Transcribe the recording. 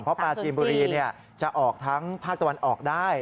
เพราะปลาจีนบุรีจะออกทั้งภาคตะวันออกได้